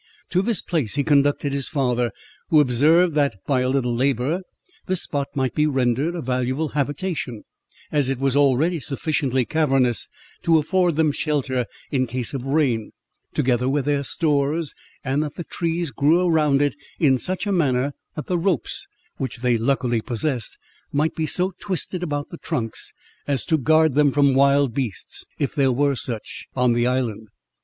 To this place he conducted his father, who observed, that by a little labour, this spot might be rendered a valuable habitation, as it was already sufficiently cavernous to afford them shelter in case of rain, together with their stores, and that the trees grew around it in such a manner, that the ropes which they luckily possessed, might be so twisted about the trunks, as to guard them from wild beasts, if there were such on the island.